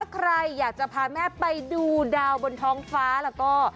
ใครอยากจะพาแม่ไปดูดาวบนท้องฟ้าแล้วก็